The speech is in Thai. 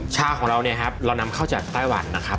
ชาของเราเรานำเข้าจากไต้วันนะครับ